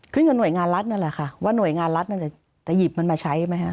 กับหน่วยงานรัฐนั่นแหละค่ะว่าหน่วยงานรัฐจะหยิบมันมาใช้ไหมฮะ